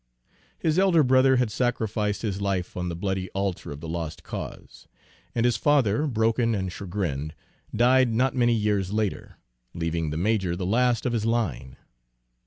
His elder brother had sacrificed his life on the bloody altar of the lost cause, and his father, broken and chagrined, died not many years later, leaving the major the last of his line.